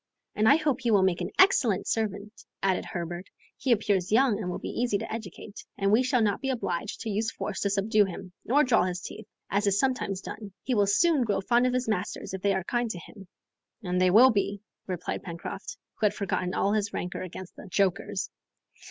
"And I hope he will make an excellent servant," added Herbert. "He appears young, and will be easy to educate, and we shall not be obliged to use force to subdue him, nor draw his teeth, as is sometimes done. He will soon grow fond of his masters if they are kind to him." "And they will be," replied Pencroft, who had forgotten all his rancor against "the jokers."